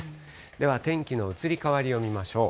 では天気の移り変わりを見ましょう。